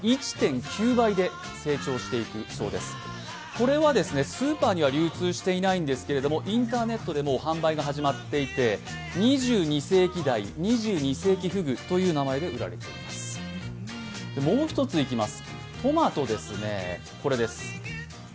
これはスーパーには流通していないんですけど、インターネットでもう販売が始まっていて２２世紀ダイ、２２世紀フグという名前で売られているそうです。